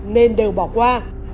nên đều bỏ qua